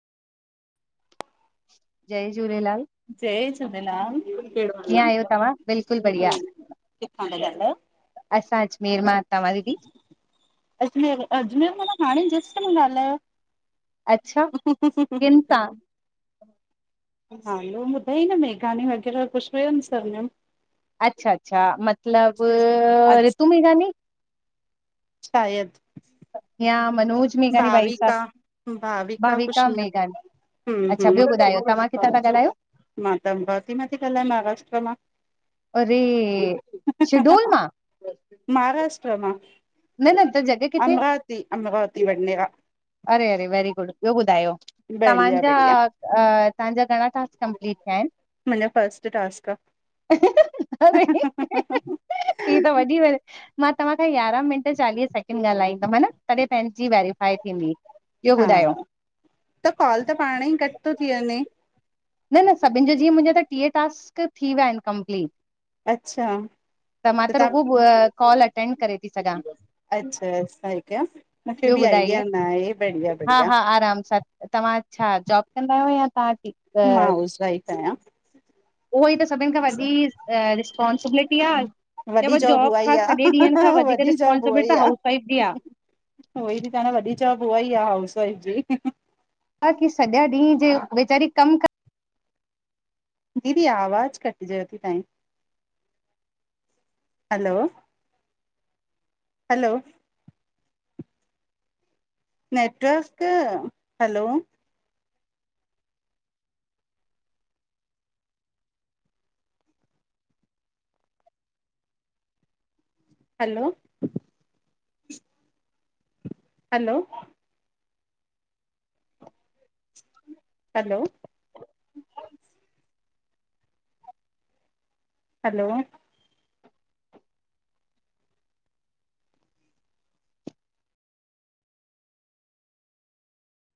जय झूलेलाल जय झूलेलाल, केड़ो हाल कीअं आ, आहियो तव्हां? बिल्कुलु बढ़िया, किथां ता ॻाल्हायो? असां अजमेर मां, तव्हां दीदी? अजमेर अजमेर मना हाणें जस्ट मां अच्छा ॻाल्हायो किन सां? हा नुम ॿुधई न मेघानी वग़ैरह कुछु हुयन सरनेम। अच्छा-अच्छा मतलब अज रितु मेघानी। शायद। या मनोज मेघानी भाई साब भाविका कुछ भाविका ईअं मेघानी, हम्म अच्छा हम्म ॿियो ॿुधायो तव्हां? किथां ता ॻाल्हयो? मां त अमरावती मां ती ॻाल्हायां महाराष्ट्र मां। हे शेडोल मां महाराष्ट्र मां न न त जॻह कित्थे? ती अमरावती वढ़नेया अरे -अरे वेरी गुड, ॿियो ॿुधायो बढ़िया बढ़िया तव्हांजाअ तव्हांजा घणां टास्क कंप्लीट थिया हिनि मुंहिंजो फस्ट टास्क आ अरे ही त वॾी व मां तव्हां खां यारहां मिन्ट चालीह सैकेंड ॻाल्हाईंदमि हन तॾहिं पंहिंजी वेरीफाई थींदी। ॿियो हा ॿुधायो त कॉल त पांणई कटि तो थी वंञें। न न सभिनि जो जीअं मुंजा त टीह टास्क थी विया इनि कंप्लीट अच्छा त मां त रूॻो कॉल अटेंड करे ती सघां। अच्छा अच्छा हे कयां मुखे ॿियो बि ॿुधाइए आइडिया ना हे बढ़िया हा -बढ़िया हा आराम सां। तव्हां छा जॉब कंदा आहियो या तव्हांखे मां हाउस वाइफ आहियां। उहोई त सभिनि खां वॾी रिस्पोंसिबिलिटी आ। वॾी जॉब उहाई आ, वॾी जॉब रिस्पॉन्सिबिलिटी उहाई त आ हाउस वाइफ जी आहे। उहोई ती चवां न वॾी जॉब उहाई आ हाउस वाइफ जी। हा की सॼा ॾींह जे वेचारी कमु क दीदी आवाज कटिजेव ती तहांईं। Hello hello network hello hello hello hello हलो